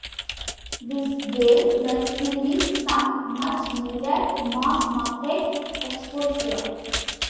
This gave the series some much-needed mass-market exposure.